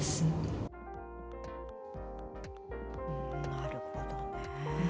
なるほどね。